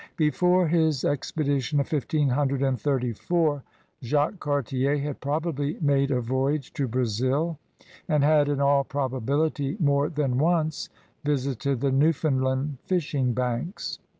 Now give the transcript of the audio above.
Before his expediticm of 15S4 Jacques Cartier had probably made a voyage to Brazil and had in all probability more than once visited the Newfoundland fishing banks.